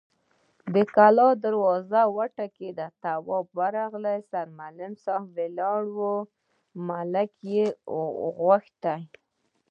د کلا دروازه وټکېده، تواب ورغی، سرمعلم ولاړ و، ملک يې غوښت.